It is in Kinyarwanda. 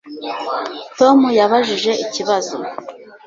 Tom yabajije ikibazo